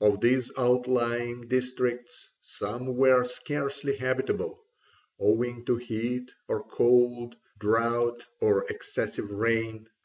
Of these outlying districts, some were scarcely habitable, owing to heat or cold, drought or excessive rain.